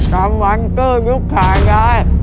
กำวัลเกอร์ลูกชายน้าย